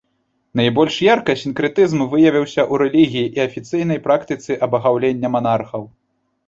Найбольш ярка сінкрэтызм выявіўся ў рэлігіі і афіцыйнай практыцы абагаўлення манархаў.